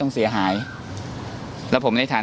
สวัสดีครับคุณผู้ชม